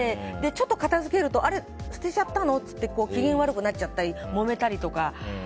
ちょっと片づけるとあれ、捨てちゃったの？って機嫌が悪くなっちゃったりもめたりとか。